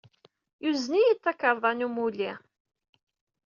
Yuzen-iyi-d takarḍa n umulli.